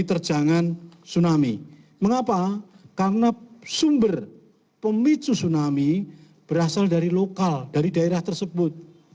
terjangan tsunami mengapa karena sumber pemicu tsunami berasal dari lokal dari daerah tersebut